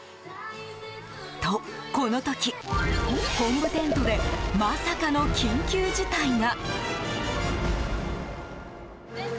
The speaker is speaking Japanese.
と、この時本部テントでまさかの緊急事態が。